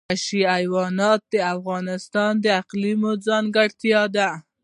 وحشي حیوانات د افغانستان د اقلیم ځانګړتیا ده.